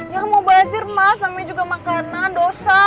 ya mau bahas sir mas namanya juga makanan dosa